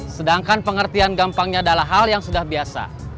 sedangkan pengertian gampangnya adalah hal yang sudah biasa